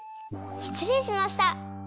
しつれいしました！